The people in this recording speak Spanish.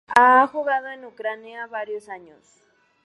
Ha jugado en Ucrania varios años.